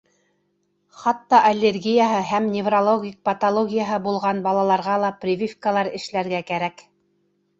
Хатта аллергияһы һәм неврологик патологияһы булған балаларға ла прививкалар эшләргә кәрәк.